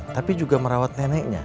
tapi juga merawat neneknya